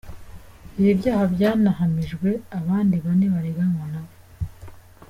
Ibi byaha byanahamijwe abandi bane bareganwa nawe.